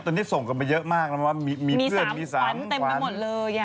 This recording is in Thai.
ตอนนี้ส่งกันมาเยอะมากมีเราเพื่อนเมื่อที่มี๓ขวัญเต็มไปหมดเลย